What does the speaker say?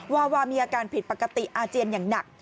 วาวามีอาการผิดปกติอาเจียนอย่างหนัก